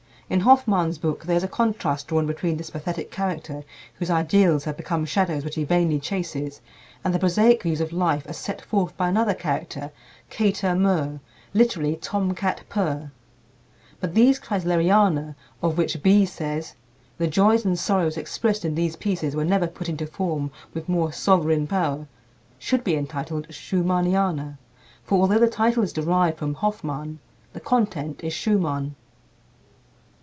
In Hoffmann's book there is a contrast drawn between this pathetic character, whose ideals have become shadows which he vainly chases, and the prosaic views of life as set forth by another character Kater Murr (literally Tomcat Purr). But these "Kreisleriana," of which Bie says "the joys and sorrows expressed in these pieces were never put into form with more sovereign power," should be entitled "Schumanniana," for although the title is derived from Hoffmann, the content is Schumann.